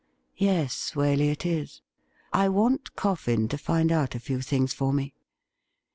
' Yes, Waley, it is. I want Coffin to find out a few things for me.